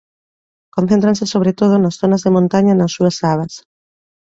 Concéntranse sobre todo nas zonas de montaña e nas súas abas.